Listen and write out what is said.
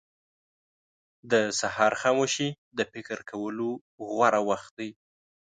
• د سهار خاموشي د فکر کولو غوره وخت دی.